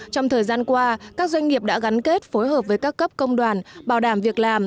trong thời gian qua các doanh nghiệp đã gắn kết phối hợp với các cấp công đoàn bảo đảm việc làm